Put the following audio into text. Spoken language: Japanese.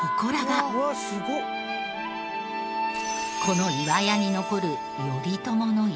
この岩屋に残る頼朝の逸話は。